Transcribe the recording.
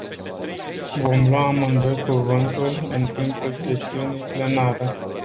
Vom lua amândoi cuvântul în timpul sesiunii plenare.